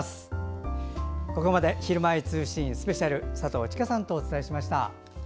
ここまで「ひるまえ通信ＳＰ」佐藤千佳さんとお伝えしました。